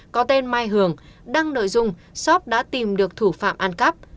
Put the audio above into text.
có tên mai hường đăng nội dung shop đã tìm được thủ phạm ăn cắp